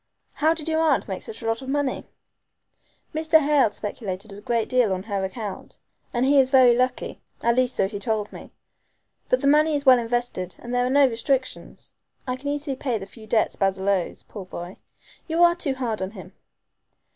How did your aunt make such a lot of money?" "Mr. Hale speculated a great deal on her account, and, he is very lucky. At least so he told me. But the money is well invested and there are no restrictions. I can easily pay the few debts Basil owes, poor boy. You are too hard on him."